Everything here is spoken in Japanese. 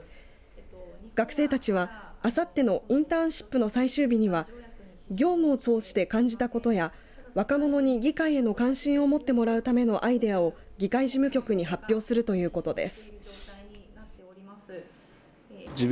学生たちはあさってのインターンシップの最終日には業務を通じて感じたことや若者に議会への関心を持ってもらうためのアイデアを議会事務局に発表するということです。